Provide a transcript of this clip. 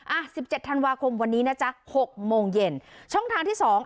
สิบเจ็ดธันวาคมวันนี้นะจ๊ะหกโมงเย็นช่องทางที่สอง